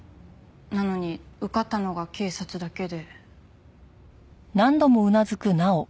なのに受かったのが警察だけで。